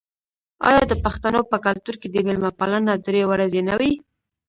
آیا د پښتنو په کلتور کې د میلمه پالنه درې ورځې نه وي؟